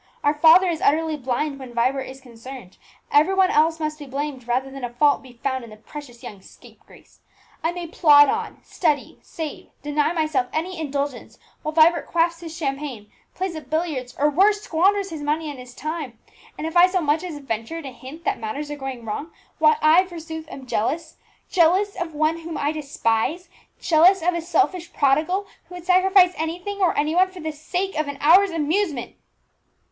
Our father is utterly blind when Vibert is concerned; every one else must be blamed, rather than a fault be found in the precious young scapegrace! I may plod on, study, save, deny myself any indulgence, while Vibert quaffs his champagne, plays at billiards, or worse, squanders his money and his time; and if I so much as venture to hint that matters are going wrong, why I, forsooth, am jealous jealous of one whom I despise jealous of a selfish prodigal, who would sacrifice anything or any one for the sake of an hour's amusement!"